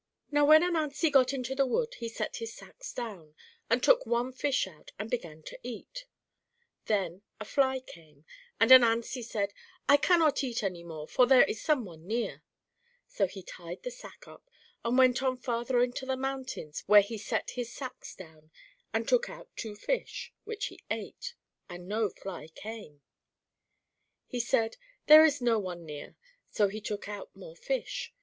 Now, when Ananzi got into the wood, he set his sacks down, and took one fish out and began to eat; then a fly came, and Ananzi said, "I cannot eat any more, for there is some one near;" so he tied the sack up, and went on farther into the mountains, where he set his sacks down, and took out two fish which he ate; and no fly came. He said, "There is no one near;" so he took out more fish.